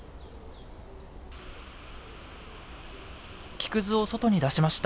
木くずを外に出しました。